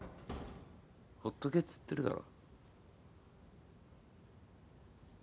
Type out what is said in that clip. ほっとけっつってるだろ。